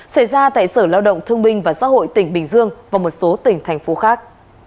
xảy ra tại sở lao động thương binh và xã hội tỉnh bình dương và một số tỉnh thành phố khác